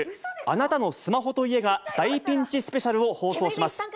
あなたのスマホと家が大ピンチスペシャルを放送します。